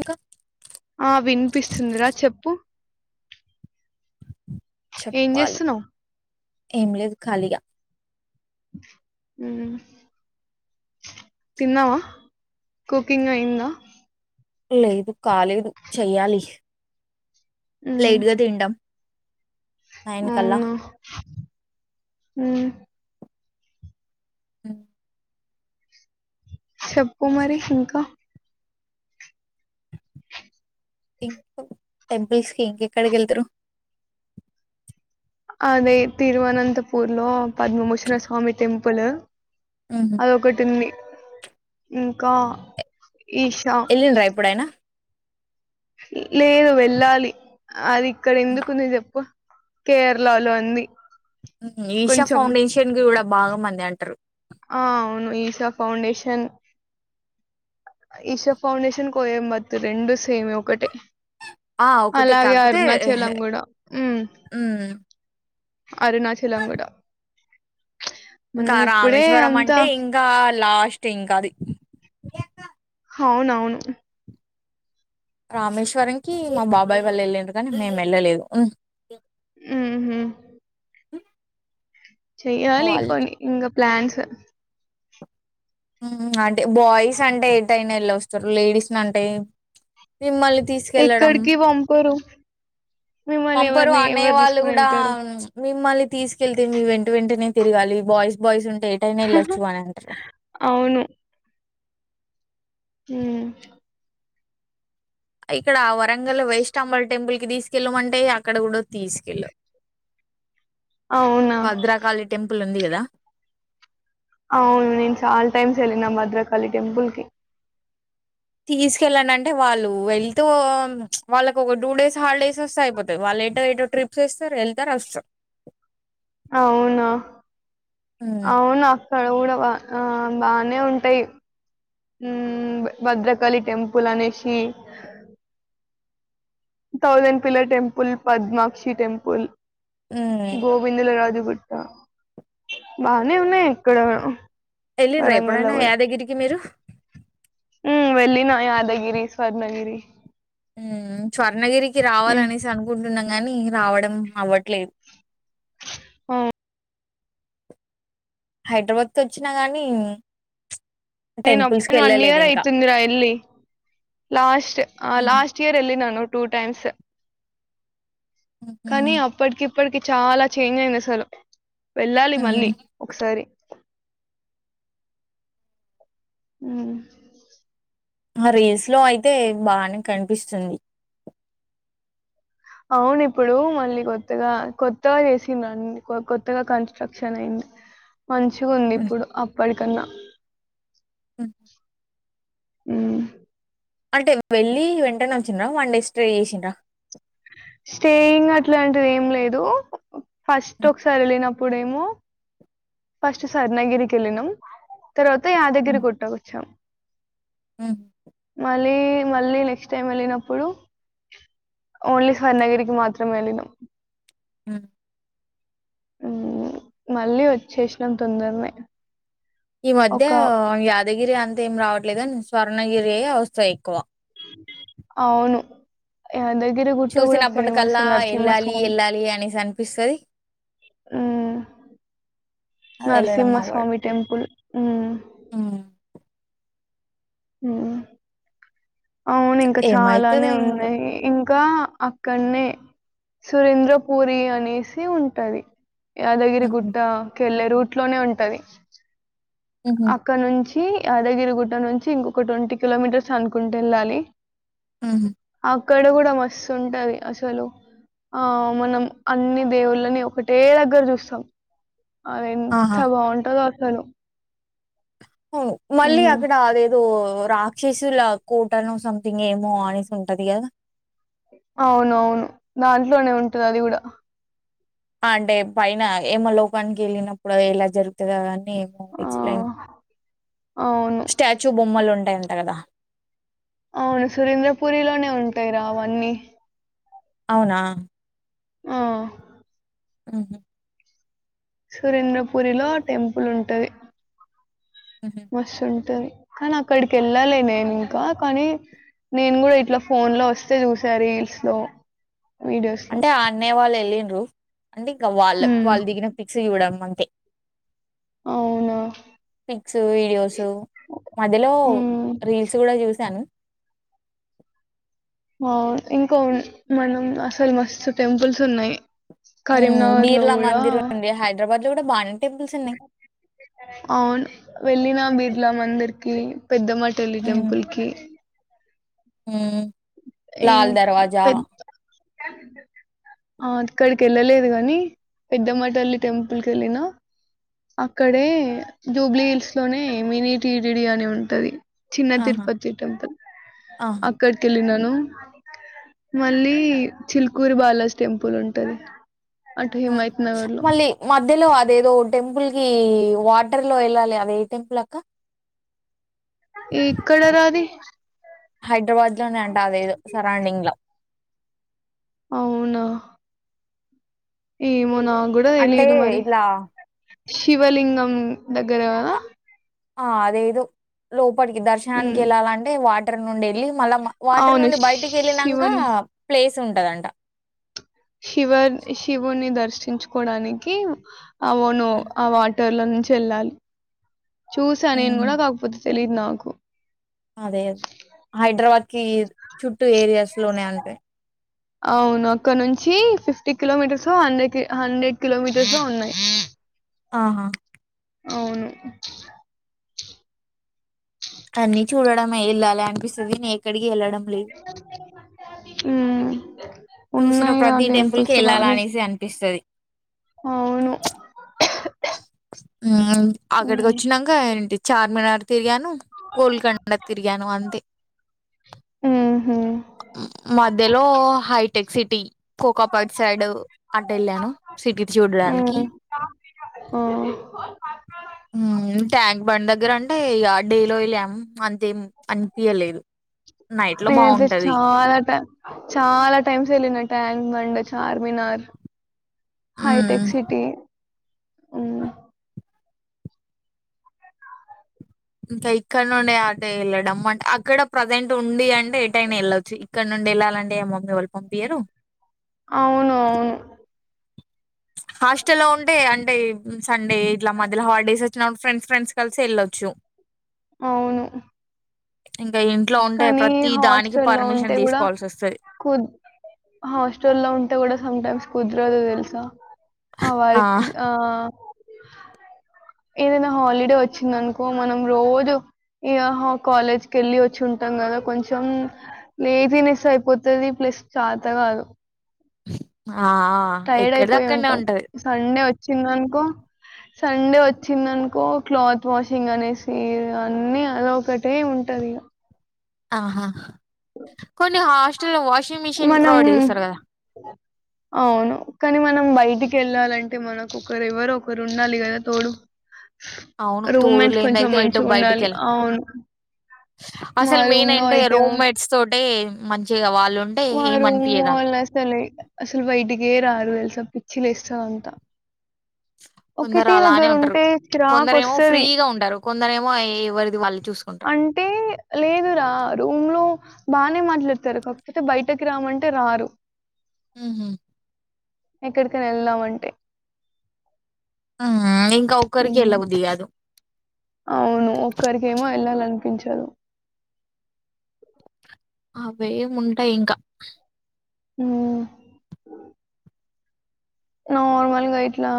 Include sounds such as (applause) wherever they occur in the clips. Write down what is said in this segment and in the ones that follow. ఇంకా ఆ వినిపిస్తుందిరా చెప్పు ఏం చేస్తున్నావు ఎం లేదు ఖాలీగా హు తిన్నావా కుకింగ్ అయింద లేదు కాలేదు చెయ్యాలి ఉమ్, లైట్ గా తింటాం నైన్ కల్లా అవునా హు హు చెప్పు కుమారి ఇంకా ఇం టెంపుల్స్ కి ఇంకెక్కడికి వెళ్తారు అదే తిరువనంతపూర్లో పద్మ మోచ్చిన స్వామి త ప్పుల ఉహు. అదొటింది ఇంకా ఈషా ఏళ్లిండ్ర ఏప్పుడాయనా లేదు వెళ్ళాలి అది ఇక్కడ ఎందుకుంది చెప్పు కేరళ లో అంది ఈషా ఫౌండేషన్కి ఇ కూడా బాగా మంది అంటారు ఆ అవును ఈశా ఫౌండషన్ ఈష ఫౌండేషన్ కోయంబతు రెండు సేమ్ ఒకటే ఆ ఒకటి అలాగే కాకపోతే ఎహ్, అరుణాచలం కూడా ఉ ఉమ్ అరుణాచలంగడ ఇంకా రామేశ్వరం అంటే ఇంకా లాస్ కష్టేంకాది అవునవును రామేశ్వరం కి మా బాబాయ్ వాళ్ళ వెళ్ళారు కానీ మేము వెళ్ళలేదు ఉ మా చెయాలి వాళ్ళు కొ ఇం ప్లాన్స్ అంటే బాయ్స్ అంటే ఏ టైనా వెళ్ళి వస్తారు లేడీస్ అంటే మిమ్మల్ని తీసుకెళ్ళడం ఎక్కడికి పంపరు మిమ్మల్ని పంపరు ఎవరిని ఎవరు అనేవాళ్ళు తీసుకుని కూడా వెళ్తారు మిమ్మల్ని తీసుకెళ్తే మీ వెంట వెంటనేిగాలి బా్స్ బాయ్స్ ఉంట డేట్యినే ఇలాచ్చువానంట హ ఇక్కడ ఆ వరంగల్ వైష్ంబల్ టెంపుల్ కి తీసుకెళ్ళమంటే అక్కడ కూడా తీసుకెళ్ళ అవునా భద్రాకాళి టెంపుల్ ఉంది కద అవును నేను చాల్ టైమ్స్ ఎళ్ళిన భద్రకాళి టెంపుల్ కి తీసుకెళ్ళండి అంటే వాళ్ళు వెళ్తూ వాళ్ళకి ఒక టూ డేస్ హాలిడేస్ వస్తే అయిపోతాయి వాళ్ళు ఎటో ఎటో ట్రిప్స్ వేస్తారు వెళ్తారు వస్తారు అవునా ఉమ్, అవునా క్కడ కూడా బా ఆ బానే ఉంటాయి ఉమ్మ్ భద్రకాళి టెంపుల్ అనేసి thousand pillar temple Padmakshi temple ఉమ్. గోవిందల రాజు గు (inaudible) బానే ఉన్నాయి ఇక్కడ వెళ్ళిర్రా వరంగల్లో ఎప్పుడైనా కూడా యాదగిరికి మీరు ఉమ్ వెళ్ళిన యాదగిరి స్వర్ణగిరి ఉమ్మ్ స్వర్ణగిరి ఉమ్ రావాలనేసి అనుకుంటున్నాం గాని రావడం అవ్వట్లేదు అవును హైదరాబాద్ త వచ్చినా గానీ నేను అప్పన్ వన్ ఇయర్ యితుందిరా ఇ లాస్ట్ ఆ ఉహు. లాస్ట్ ఇయర్ ఎ న టూ టైమ్స్ ఉహూ. కానీ అప్పటికి ప్పటికి చాలా చేంజ్ అయింది అసలు వెళ్ళాలి మళ్ళీ హ్మ్. ఒకసారి ఉమ్ ఆ రీల్స్ లో అయితే బానే కనిపిస్తుంది అవును ఇప్పుడు మళ్ళీ కొత్తగా కొత్తగా చేసి అన్ని కొత్తగా కన్స్ట్రక్షన్ అయింది హ్మ్. మంచిగుందిప్పుడు అప్పటి కన్నా హ ఉమ్ (unintelligible) టే వెళ్ళి వెంటనే వచ్చిండ్రా వన్ డే స్టే చేసిండ్రా స్టేయింగ్ అట్లాంటిది ఏం లేదు ఫస్ట్ హ్మ్. ఒక సారెళ్ళిన ప్పుడేమో ఫస్ట్ స్వర్ణగిరి కెళ్లినం తర్వాత హ్మ్. యాదగిరిగుట్ట వచ్చాం హ్మ్. మ ళ్ళీ మళ్ళీ నెక్స్ట్ టైం వెళ్ళినప్పుడు ఓన్లీ స్వర్ణగిరికి మాత్రం వెళ్ళినాం ఉమ్ మళ్ళీ వచ్చేసినం తొందరనే ఈ మధ్య ఒక యాద్ దగిరి అన్ తేం రావట్లేదని స్వర్ణగిరి యే వస్తాయ్ ఎక్కువ అవును యాదగిరి గుట్ట కూడా ఫేమస్ చూసినప్పటికల్లా ఎళ్ళాలి ఎళ్ళాలి అనేసి అ పిస్తది. అది వెళ్ళడం నరసింహ అవ్వదు స్వామి టెంపుల్. హ్ హ్మ్ హ్మ్ అవును ఇంకా ఏమైతదో చాలానే ఇంకా ఉన్నయి. ఇం ఇంకా అక్కన్నే సురేంద్ర పూరి అనేసి ఉంటది. హుహు. యాదగిరిగుట్ట కేల్లె రూట్ ఇంట్లోనే ఉంటది హుహు. అక్కడ నుంచి కి యాదగిరిగుట్ట నుంచి ఇంకొక ట్వంటీ కిలోమీటర్స్ అనుకుంట ఎళ్ళాలి. హుహ్ అక్కడ కూడా మస్తు ఉంటది. అసలు ఆ మనం అన్ని దేవుళ్ళని ఒకటే దగ్గరా చూస్తం. అది ఎంత ఆహా బావుంటదో కను అవును మళ్ళీ అక్కడ అదేదో రాక్షసుల కోటనో సంథింగ్ ఏమో అనేసి ఉంటది కదా. అవునువును దాంట్లోనే ఉంటది అది కూడా. అంటే పైన యమ లోకానికి వెళ్ళినప్పుడు ఎలా జరుగుతదో గాని ఎమో ఆ ఎక్స్ప్లెయిన్ అవును స్టాచ్యూ బొమ్మలు ఉంటాయంటా కదా. అవును సురేంద్రపురిలోనే ఉంటాయి రా అవన్నీ. అవునా ఆ ఆహ సురేంద్రపురిలో టెంపుల్ ఉంటది. మ్హూ. మస్స్తుంటది. కానీ అక్కడికి ఎళ్ళలే నేను ఇంకా కానీ నేను కూడా ఇట్లా ఫోన్ లో వస్తే చూసా రీల్స్ లో. వీడియోస్ లో అంటే ఆ అన్నయ వాళ్ళు వెళ్ళిన్రు అంటే ఇంకా వాళ్ళ ఉమ్, వాళ్ళు దిగిన పిక్స్ చూడడం అం తే అవునా పిక్స్, వీడియోస్ మధ్యలో ఉమ్, రీల్స్ కూడా చూసి సాను అవును ఇంకా ఉ మనం అసలు మస్తు టెంపుల్స్ ఉన్నయి. హ్ బిర్లా మందిర్ ఉంది హైదరాబాద్ కూడా బానే అవును వెళ్ళినా బీర్లా మందిర్ కి పెద్దమ్మ తల్లి టెంపుల్ కి. హ ల ఇం దరవాజా పెద్ద ఆ అక్కడికి వెళ్ళలేదు కాని పెద్దమటల్లి టెంపుల్ క వెళ్ళిన అక్కడే జూబ్లీ హిల్స్ లోనే మినీ టీటిడి అని ఉంటది చిన్న ఆహా తిరుపతిటం ఆహా అక్కడి తెలిన హలో మళ్ళీ చిల్కూరి బాలాజ్ టెంపుల్ ఉంటది అటు ఆ హిమాయత్ నగర్ లో మళ్ళీ మ మధ్యలో అదేదో టెంపుల్ కి వాటర్ లో వెళ్ళాలి అది ఏ టెంపుల్ అక్కా. ఎక్కడ రా అది. హైదరాబాద్ అంట అదేదు సరౌండింగ్ లో అవునా ఏమనా కూడా అంటే తెలిదు మరి ఇట్లా శివలింగం దగ్గరవ ఆ ఆ అదేదు లో ఇప్పటికి దర్శనానికి ఉమ్ వెళ్ాలంటే వాటి ఉండేి మళ్ళ వాటర్ అవును నుండి బయటికి వెళ్ళినాక శివుని ప్లేస్ ఉంటదంట శివ శివోని దర్శన సృష్టించుకోవడానికి అవును అ బటర్ లో నుంచి వెళ్ళాలి చూసా నేను ఉమ్, కూడా కాకపోతు తెలిదు నాకు అదే అదే హైదరాబాద్ క చుట్టూ ఏరియాస్ లోనే అంటాయి అవును అక్కడ నుంచి ఫిఫ్టీ కిలోమీటర్స్ హండ్రెడ్ి హండ్రెడ్ కిలోమీటర్స్ో ఉన్నాయి ఆహా అవును అనీ చూడమే వెళ్ళాలి అనిపిస్తుంది నే ఎక్కడికి వెళ్డం అ (inaudible) చూసిన ప్రతి టెంపుల్ కి వెళ్ళాల అనేసి అనిపిస్తుంది అవును హు అక్కడికి ఉమ్ వచ్చినాక ఏంటి చార్మినార్ తిరిగాను కోలికండ తిరిగాను అంతే ఉహు మధ్యలో height tech City Kokapet side అంట వెళ్ళాను సిటీ చూడడానికి ప బం దగ్గర అంటే డేలో వెళ్ళాము అంతేం అనిపియలేదు నైట్‌లో నేనయితే బావుంటది. చాలా ట చాలా టైమ్స్ వెళ్ళిన ట అండ్ మండ చార్మినార్ హ్మ్. హైటెక్ సిటీ అవు ఇంకా ఇక్కడ నుండడి అటే వెళ్ళడం అంటే అక్కడ ప్రజెంట్ ఉండి అంటే ఏ టైనా వెళ్ళొచ్చు ఇక్కడ నుండి వెళ్ళాలంటే ఏ మమ్మీ వాళ్ళు పంపియ్యరు అవును అవును హాస్టల్లో ఉంటే అంటే సండే ఇట్లా మధ్యలో హాలిడేస్ వచ్చినప్పుడు ఫ్రెండ్స్ ఫ్రెండ్స్ కలిసి వెళ్ళొచ్చు అవును అం కానీ హాస్టల్ లో ఉంటే కూడా తీసుకోవాల్సి వస్తది కుద్ హాస్టల్లో ఉంటే కూడా సమ్ టైమ్స్ కుద్ కుదరదు తెలుసా ఎవరు ఆ (unintelligible) ఏదైనా హాలిడే వచ్చిందనుకో మనం రోజు ఇ కాలేజ్కి వెళ్ళి వచ్చి ఉంటాం కదా కొంచెం లేజినెస్ అయిపోతుది ప్లస్ చాత కాదు (unintelligible) టైర్డ్ ఎక్కడిది అయిపోయి అక్కడనే ఉంటాం ఉంటది సండే వచ్చిందనుకో సండే వచ్చిందనుకో క్లాత్ వాషింగ్ అనేసి అన్ని అద ఒకటే ఉంటంది ఇక ఆహా కొన్ని హాస్టల్ వా వాషింగ్ మిషిన్ మనం ప్రొవైడ్ చేస్తారు కదా అవును కానీ మనం బయటికి వెళ్ళాలంటే మనకు ఒకరు ఎవరు ఒకరు ఉండాలి కదా తోడు అవును తోడు రూమ్మేట్స్ లేద కొంచెం అయితే ఎటు మంచిగా ఉండాలి బయటికళ్ళ లేము అవును మా అసలు మెయిన్ రూమ్ లో ఏంటే రూమ్ మేట్స్ తో అంటే మంచిగా వా మారు అళ్ళ సలే అసలు బయటి గే రారు తెలు ఇ పిచ్చి లేస్తుంది అంతా కొందరు ఒకటి దగ్గర అలానే ఉంటారు ఉంటే క్రాక్ కొందరేమో వస్తుది ఫ్రీగా ఉంటారు కొందరేమో ఎవరిది వాళ్ళు చూసుకుంటారు అంటే లేదు రా రూమ్ లో బానే మాట్లాడతారు కాయితే బయటకి రామంటే రారు ఉ హ్ ఎక్కడికన్నా వెళ్దామంటే ఇంకా ఒకరికి ఎల్ల ఉమ్, బుద్ది కాదు అవును ఒక్కరికేమో వెళ్ళాలనిపించదు అవేం ఉంటయి ఇంకా అ నార్మల్గా ఇట్లా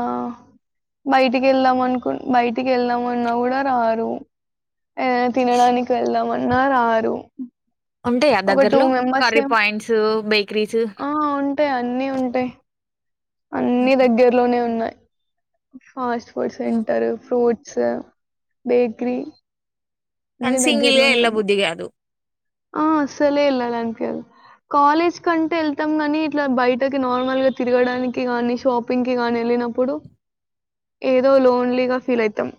బయటికి వెళ్దాం అనుకు బయటికి వెళ్దామన్నా కూడా రారు. ఏదన్నా తినడానికి వెళ్దామన్నా రారు. ఉంటాయా ఒక టూ దగ్గరలో మెంబర్స్ కర్రీ ఏమో పాయింట్స్ బేకరీస్ ఆ ఉంటాయి అన్నీ ఉంటాయి అన్ని ఉమ్ దగ్గర్లోనే ఉన్నాయి ఫాస్ట్ ఫుడ్ సెంటర్ ఫ్రూట్ స బేకరి కానీ సింగిల్ గా వెళ్ళ బుద్ధి కాదు ఆ అస్సలే వెళ్ళాలనిపీయదు. కాలేజ్ కంటే వెళ్తాం గానీ ఇట్లా బయటకి నార్మల్గా తిరగడానికి గానీ షాపింగ్ కి గాని వెళ్ళినప్పుడు ఏదో లోన్లీగా ఫీల్ అయితాం.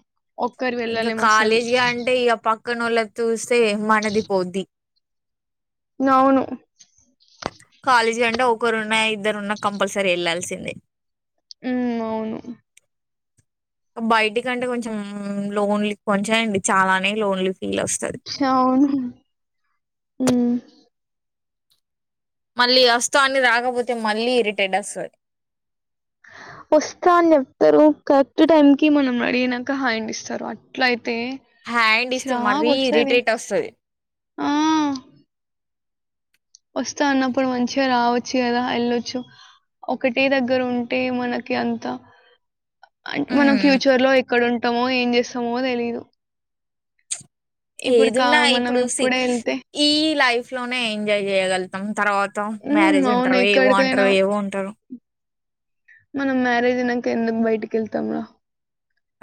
ఒక్కరు ఇంక వెళ్ళలేం అసలు కాలేజీగా అంటే ఇక పక్కనోళ్లది చూస్తే మనది పోద్ది అవును కాలేజ్ కంటే ఒకరున్నా ఇద్దరున్న కంపల్సరీ వెళ్లాాల్సిందే ఉ అవును బయటికంటే కొంచెం లోన్లీ కొంచెమేంది చాలానే లోన్లీ ఫీ అవును ఉ మళ్ళీ వస్త అని రాకపోతే మళ్ళీ ఇరిటేట్ వస్తది వస్తా అని చెప్తరు కరెక్ట్ టైం కి మనం రెడీ అయినాక హాండ్ ఇస్తారు అట్ల అ హ్యాండ్ ఇస్తే స్రా మరీ పది ఇరిటేట్ వస్తది ఆ (unintelligible) వస్తా అన్నప్పుడు మంచిగా రావ చ్చు కదా వెళ్లొచ్చు ఒకటే దగ్గర ఉంటే మనకి అంత అం మనం ఉమ్ ఫ్యూచర్ లో ఎక్కడ ఉంటమో ఏం చేస్తామో తెలిదు ఏదున్నా ఇప్పుడు సి ఈ లైఫ్ లోనే ఎజాయ్ చేయగల్తాం తర్వాత హ్మ్, మ్యారేజ్ అవును అంటరు ఏవో ఎక్కడికైనా అంటరు ఏవో అంటరు (inaudible) మనం మ్యారేజ్ అయినాక ఎందుకు బయటికి వెళ్తాం రా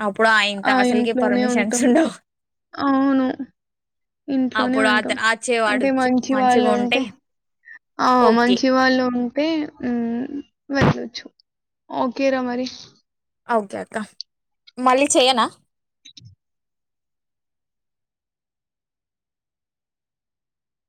అప్పుడు ఆయింత ఆ అసలుకే ఇంట్లోనే పర్మిషన్స్ ఉంటాం. ఉండవు అవును ఇంట్లోనే అప్పుడు అత ఉంటాం. వచ్చేవాడు అంటే మంచివాళ్ళు మంచిగా ఉంటే ఆ ఓకే మంచి వాళ్ళు ఉంటే అ వెళ్లొచ్చు ఓకే ర మరి ఓకే అత్త మళ్ళీ చేయనా